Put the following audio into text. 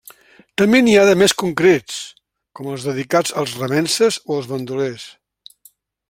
També n'hi ha de més concrets, com els dedicats als remences o als bandolers.